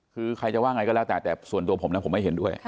คือใครจะว่าไงก็แล้วแต่แต่ส่วนตัวผมนะผมไม่เห็นด้วย